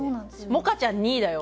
モカちゃん２位だよ。